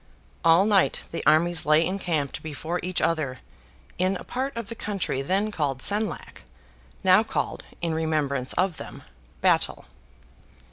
All night the armies lay encamped before each other, in a part of the country then called Senlac, now called (in remembrance of them) Battle.